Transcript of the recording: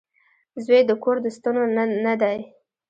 • زوی د کور د ستنو نه دی.